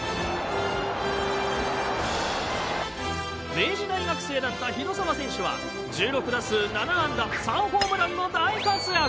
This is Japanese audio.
明治大学生だった広沢選手は１６打数７安打３ホームランの大活躍。